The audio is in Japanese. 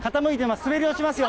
滑り落ちますよ。